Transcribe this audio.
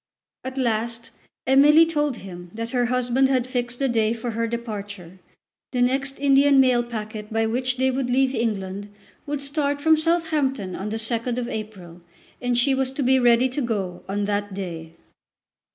At last Emily told him that her husband had fixed the day for her departure. The next Indian mail packet by which they would leave England would start from Southampton on the 2nd of April, and she was to be ready to go on that day.